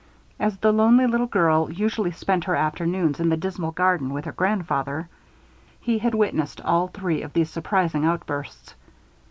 As the lonely little girl usually spent her afternoons in the dismal garden with her grandfather, he had witnessed all three of these surprising outbursts.